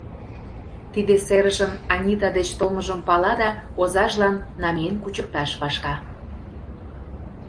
Тиде серышын Анита деч толмыжым пала да озажлан намиен кучыкташ вашка.